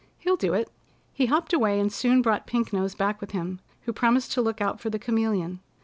He'll do it." He hopped away, and soon brought Pink Nose back with him, who promised to look out for the Chameleon.